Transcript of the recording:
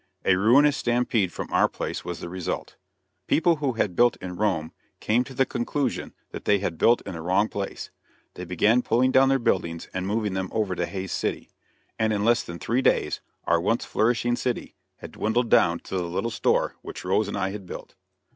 A ruinous stampede from our place was the result. People who had built in Rome came to the conclusion that they had built in the wrong place; they began pulling down their buildings and moving them over to Hays City, and in less than three days our once flourishing city had dwindled down to the little store which Rose and I had built.